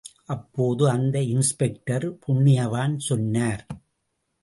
அப்போது அந்த இன்ஸ்பெக்டர் புண்யவான் சொன்னார்.